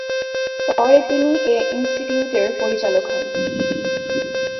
পরে তিনি এ ইনস্টিটিউটের পরিচালক হন।